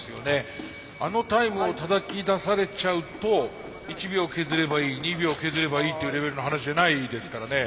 あのタイムをたたき出されちゃうと１秒削ればいい２秒削ればいいっていうレベルの話じゃないですからね。